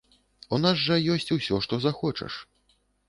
У нас жа ёсць ўсё што захочаш!